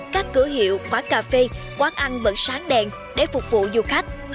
các cửa hiệu quán cà phê quán ăn vẫn sáng đèn để phục vụ du khách